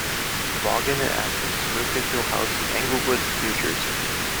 Vaughan and Atkins moved into a house in Englewood, New Jersey.